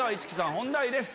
本題です。